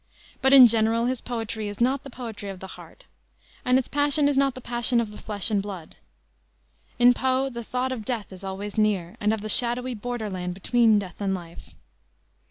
But in general his poetry is not the poetry of the heart, and its passion is not the passion of flesh and blood. In Poe the thought of death is always near, and of the shadowy borderland between death and life.